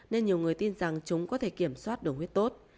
nên nhiều người tin rằng chúng có thể kiểm soát đường huyết tốt